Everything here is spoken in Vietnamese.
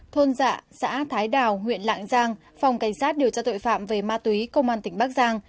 thôn dạ xã thái đào huyện lạng giang phòng cảnh sát điều tra tội phạm về ma túy công an tỉnh bắc giang